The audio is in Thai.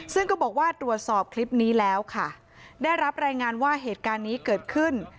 ซึ่งก็บอกว่าตรวจสอบคลิปนี้แล้วค่ะได้รับรายงานว่าเหตุการณ์นี้เกิดขึ้น